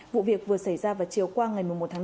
vụ việc vừa xảy ra vào chiều qua ngày một mươi một tháng năm